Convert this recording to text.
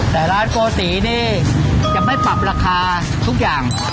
แต่ร้านโกศีนี่จะไม่ปรับราคาทุกอย่าง